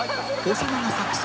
「細長作戦！